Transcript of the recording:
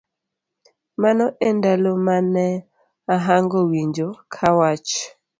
Mano e ndalo ma ne ahango winjo ka wach